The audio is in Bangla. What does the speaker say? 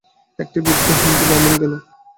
একটি বৃদ্ধ হিন্দু ব্রাহ্মণ এল।